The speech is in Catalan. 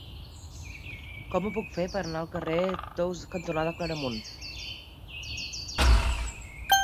Com ho puc fer per anar al carrer Tous cantonada Claramunt?